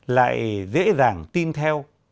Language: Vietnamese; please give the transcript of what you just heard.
lại dễ dàng tin theo